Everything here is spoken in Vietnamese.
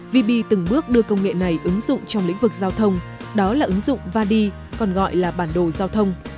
vb từng bước đưa công nghệ này ứng dụng trong lĩnh vực giao thông đó là ứng dụng vadi còn gọi là bản đồ giao thông